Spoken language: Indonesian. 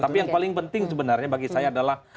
tapi yang paling penting sebenarnya bagi saya adalah